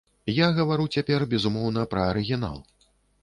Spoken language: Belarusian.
Я гавару цяпер, безумоўна, пра арыгінал.